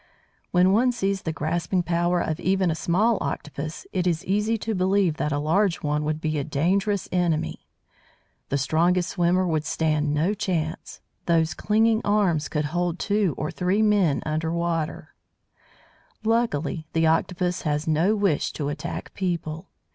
When one sees the grasping power of even a small Octopus, it is easy to believe that a large one would be a dangerous enemy. The strongest swimmer would stand no chance: those clinging arms could hold two or three men under water. [Illustration: WHALING.] Luckily, the Octopus has no wish to attack people.